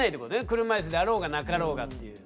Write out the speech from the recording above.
車いすであろうがなかろうがっていう。